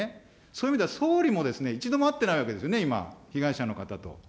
そういう意味では、総理も一度も会ってないわけですよね、今、被害者の方と。